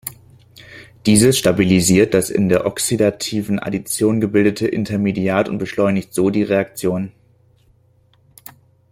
Dieses stabilisiert das in der oxidativen Addition gebildete Intermediat und beschleunigt so die Reaktion.